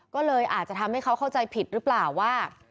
ก็เลยอาจจะทำให้เขาเข้าใจผิดหรือเปล่าว่า